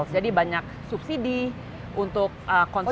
jadi banyak subsidi untuk konsumen